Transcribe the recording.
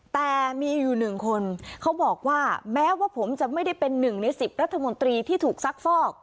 แต่มีอยู่๑คนเขาบอกว่าแม้ว่าผมจะไม่ได้เป็นหนึ่งใน๑๐รัฐมนตรีที่ถูกซักฟอก